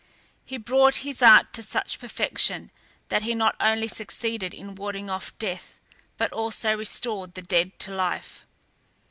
He brought his art to such perfection, that he not only succeeded in warding off death, but also restored the dead to life.